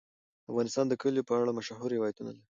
افغانستان د کلیو په اړه مشهور روایتونه لري.